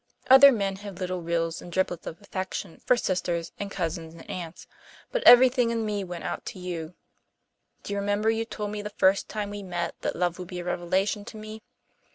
Other men have little rills and driblets of affection for sisters and cousins and aunts, but everything in me went out to you. Do you remember you told me the first time we met that love would be a revelation to me?